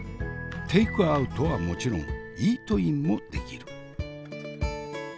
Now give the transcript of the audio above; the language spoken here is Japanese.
テイクアウトはもちろんイートインもできる。